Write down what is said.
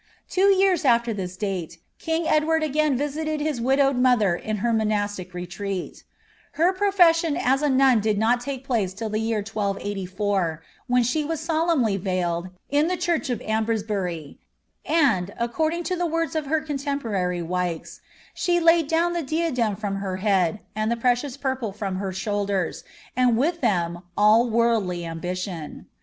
Two years after this date, king Edward again visited his widowed 3Cher in her monastic retreat Her profession as a nun did not take ice till the year 1284, when she was solemnly veiled, in the church Ambresbury; and, according to the words of her contemporary ikes, ^ she laid down the diadem from her head, and the precious trple from her shoulders, and with them all worldly ambition."